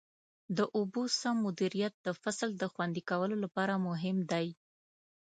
د اوبو سم مدیریت د فصل د خوندي کولو لپاره مهم دی.